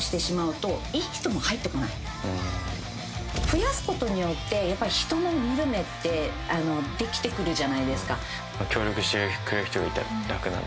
増やすことによってやっぱり人の見る目ってできてくるじゃないですか。